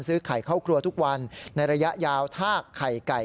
ซื้อไข่เข้าครัวทุกวันในระยะยาวถ้าไข่ไก่